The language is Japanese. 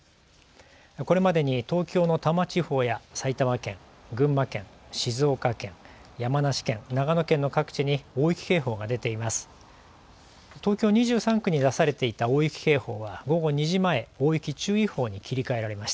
これまでに東京の多摩地方や埼玉県、群馬県、静岡県、山梨県、長野県の各地に大雪警報が出ています。